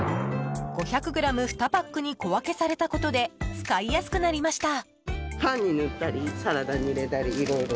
２パックに小分けされたことで使いやすくなりました。